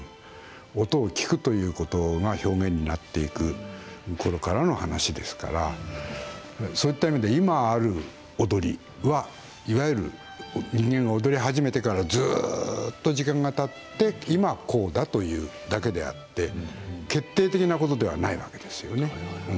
音を聴くというときが表現になっていくころからの話ですから今ある踊りは、いわゆる人間が踊り始めてからずっと時間がたって今こうだというだけであって決定的なことではないわけですよね。